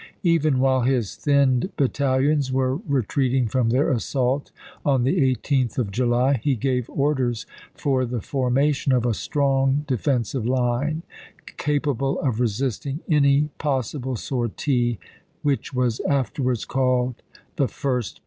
Even while his thinned battalions were retreating from their assault 1863. on the 18th of July, he gave orders for the formation ^e^rt6' of a strong defensive line, capable of resisting any ^xvm0,1' possible sortie, which was afterwards called the First ^17."